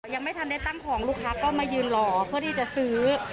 ยังไม่ทันได้ตั้งของลูกค้าก็มายืนรอเพื่อที่จะซื้อ